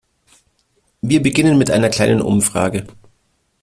Wir beginnen mit einer kleinen Umfrage.